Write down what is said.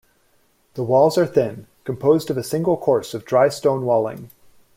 The walls are thin, composed of a single course of dry stone walling.